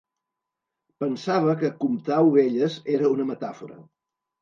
Pensava que "comptar ovelles" era una metàfora.